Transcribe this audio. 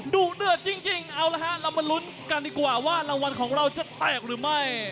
ดุเดือดจริงเอาละฮะเรามาลุ้นกันดีกว่าว่ารางวัลของเราจะแตกหรือไม่